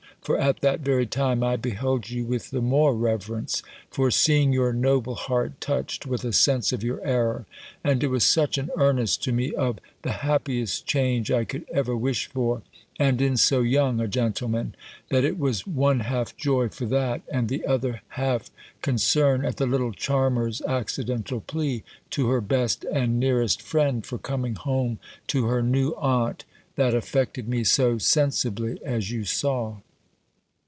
For at that very time, I beheld you with the more reverence, for seeing your noble heart touched with a sense of your error; and it was such an earnest to me of the happiest change I could ever wish for, and in so young a gentleman, that it was one half joy for that, and the other half concern at the little charmer's accidental plea, to her best and nearest friend, for coming home to her new aunt, that affected me so sensibly as you saw."